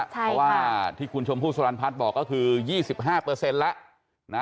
เพราะว่าที่คุณชมพู่สุรรรณพัฒน์บอกก็คือ๒๕เปอร์เซ็นต์แล้ว